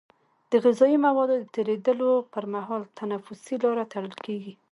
د غذایي موادو د تیرېدلو پر مهال تنفسي لاره تړل کېږي.